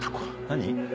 何？